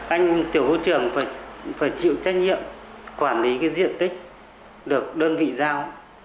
anh tiểu khu trưởng phải chịu trách nhiệm quản lý cái diện tích được đơn vị giao